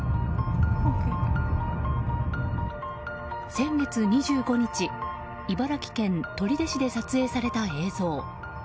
先月２５日茨城県取手市で撮影された映像。